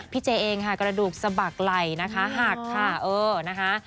เจเองค่ะกระดูกสะบักไหล่นะคะหักค่ะเออนะคะ